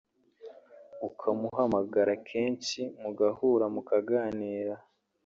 ukamuhamagara kenshi mugahura mu kaganira